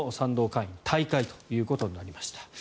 会員退会ということになりました。